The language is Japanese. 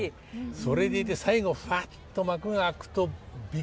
それでいて最後ふわっと幕が開くとびっくりしますよね。